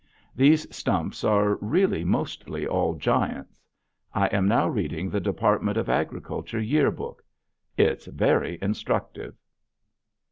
These stumps are really mostly all giants. I am now reading the Department of Agriculture year book. It's very instructive.